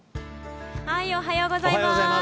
おはようございます。